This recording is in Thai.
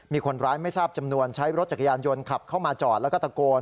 มีคนร้ายไม่ทราบจำนวนใช้รถจักรยานยนต์ขับเข้ามาจอดแล้วก็ตะโกน